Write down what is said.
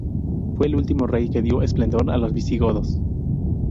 Fue el último rey que dio esplendor a los visigodos.